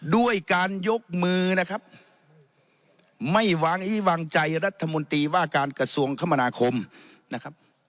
ด้วยการยกมือนะครับไม่วางอี้วางใจรัฐมนตรีว่าการกระทรวงคมนาคมนะครับ